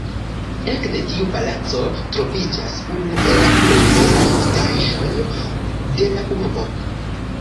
Ekde tiu palaco troviĝas unu el la plej bonaj vidaĵoj de la urbo.